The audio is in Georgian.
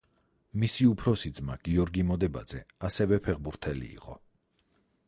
მისი უფროსი ძმა, გიორგი მოდებაძე ასევე ფეხბურთელი იყო.